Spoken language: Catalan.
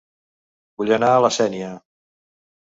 Vull anar a La Sénia